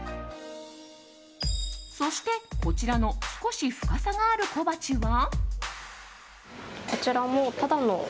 そして、こちらの少し深さがある小鉢は。